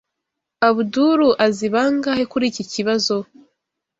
Abdul azi bangahe kuri iki kibazo?